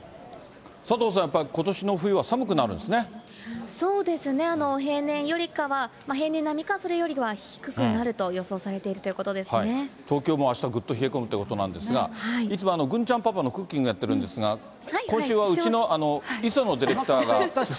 佐藤さん、やっぱり、そうですね、平年よりかは、平年並みか、それよりは低くなると予想されている東京もあした、ぐっと冷え込むということなんですが、いつも郡ちゃんパパのクッキングやってるんですが、今週はうちのいそのディレクターが。